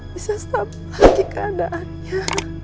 bisa setap lagi keadaannya